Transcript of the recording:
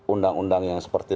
undang undang yang seperti